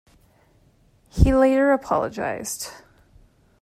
He later apologized.